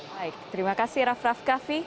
baik terima kasih rafraf kaffi